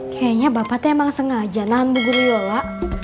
kayaknya bapak tuh emang sengaja nahan bu guri lola